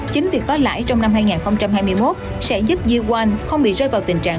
chính việc có lãi trong năm hai nghìn hai mươi một sẽ giúp dư quan không bị rơi vào tình trạng